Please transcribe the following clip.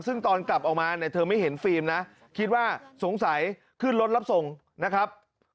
ซึ่งตอนกลับออกมาเนี่ยเธอไม่เห็นฟิล์มนะคิดว่าสงสัยขึ้นรถรับส่งนะครับ